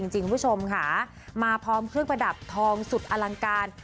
คุณผู้ชมค่ะมาพร้อมเครื่องประดับทองสุดอลังการ